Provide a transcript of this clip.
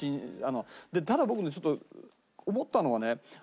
ただ僕ねちょっと思ったのはね